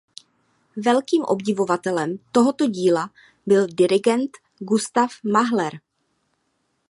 Velkým obdivovatelem tohoto díla byl dirigent Gustav Mahler.